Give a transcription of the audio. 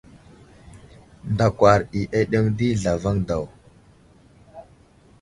Ndakwar i aɗeŋw ɗi zlavaŋ daw.